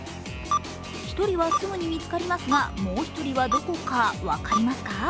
１人はすぐに見つかりますが、もう一人はどこか、分かりますか？